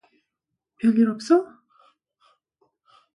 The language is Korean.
별일 없어?